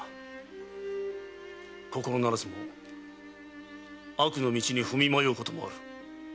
心ならずも悪の道に踏み迷うこともある。